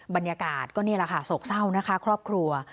บรรยากาศก็นี่แหละค่ะโศกเศร้านะคะครอบครัว